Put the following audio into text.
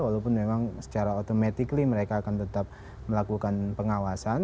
walaupun memang secara otomatis mereka akan tetap melakukan pengawasan